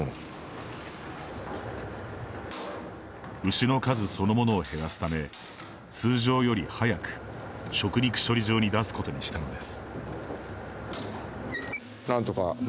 牛の数そのものを減らすため通常より早く食肉処理場に出すことにしたのです。